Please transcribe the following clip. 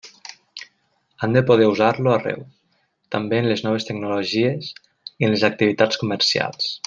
Han de poder usar-lo arreu, també en les noves tecnologies i en les activitats comercials.